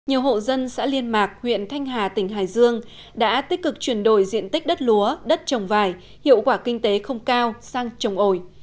nhiều hộ dân xã liên mạc huyện thanh hà tỉnh hải dương đã tích cực chuyển đổi diện tích đất lúa đất trồng vải hiệu quả kinh tế không cao sang trồng ổi